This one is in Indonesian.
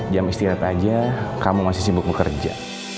jam istirahat aja kamu masih sibuk bekerja